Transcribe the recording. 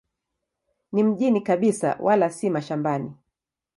Si mjini kabisa wala si mashambani.